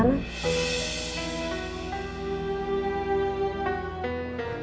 tante aku mau beres